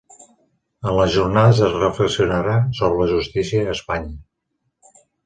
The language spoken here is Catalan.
En les jornades es reflexionarà sobre la justícia a Espanya